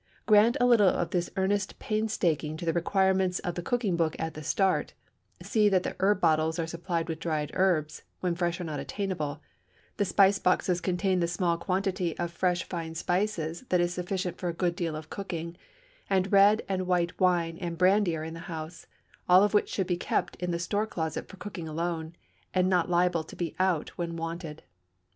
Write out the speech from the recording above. Grant a little of this earnest painstaking to the requirements of the cooking book at the start, see that the herb bottles are supplied with dried herbs (when fresh are not attainable), the spice boxes contain the small quantity of fresh fine spices that is sufficient for a good deal of cooking, and red and white wine and brandy are in the house, all of which should be kept in the store closet for cooking alone, and not liable to be "out" when wanted.